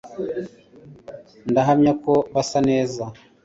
ndahamya ko basa neza